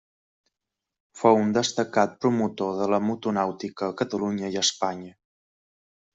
Fou un destacat promotor de la motonàutica a Catalunya i a Espanya.